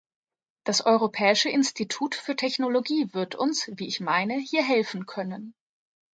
Das Europäische Institut für Technologie wird uns, wie ich meine, hier helfen können.